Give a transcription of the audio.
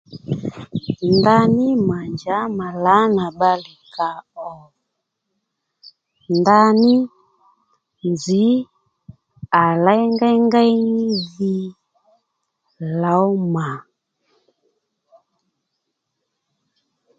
Ndaní mà njǎ mà lǎnà bbalè kàò ndaní nzǐ à léy ngéyngéy ní dhi lǒw mà